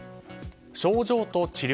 症状と治療